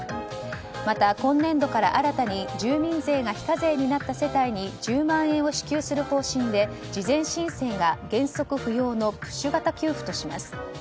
また、今年度から新たに住民税が非課税になった世帯に１０万円を支給する方針で事前申請が原則不要のプッシュ型給付とします。